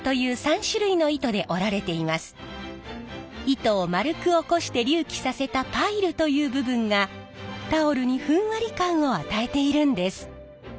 糸を丸く起こして隆起させたパイルという部分がタオルにふんわり感を与えているんです。